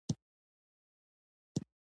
هو هغه غار همدلته عمان کې دی.